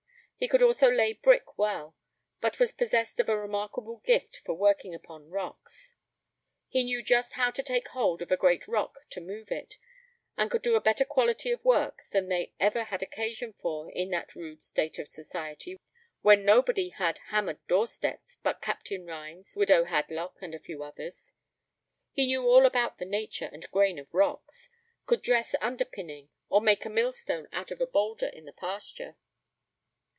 He could also lay brick well, but was possessed of a remarkable gift for working upon rocks. He knew just how to take hold of a great rock to move it, and could do a better quality of work than they ever had occasion for in that rude state of society, where nobody had hammered doorsteps but Captain Rhines, widow Hadlock, and a few others. He knew all about the nature and grain of rocks, could dress underpinning, or make a millstone out of a boulder in the pasture.